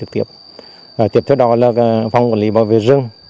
tiếp theo đó là phòng quản lý bảo vệ rừng